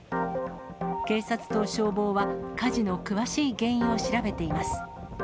警察と消防は、火事の詳しい原因を調べています。